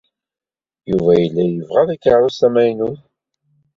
Yuba yella yebɣa takeṛṛust tamaynut.